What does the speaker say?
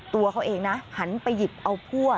ตัวเขาเองนะหันไปหยิบเอาพวก